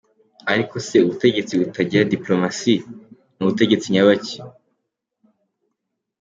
Ariko se, ubutegetsi butagira “diplomatie”, ni butegetsi nyabaki?!